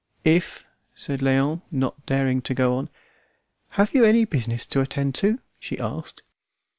"If " said Léon, not daring to go on. "Have you any business to attend to?" she asked.